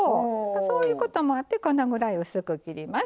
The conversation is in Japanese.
そういうこともあってこのぐらい薄く切ります。